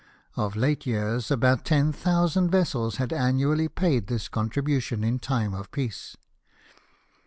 Of late years about ten thousand vessels had annually paid this contribution in time of peace.